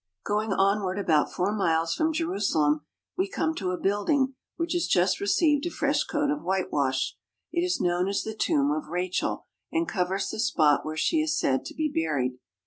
Going onward about four miles from Jerusalem we come to a building which has just received a fresh coat of whitewash. It is known as the Tomb of Rachel, and covers the spot where she is said to be buried.